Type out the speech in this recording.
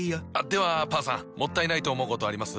ではパンさんもったいないと思うことあります？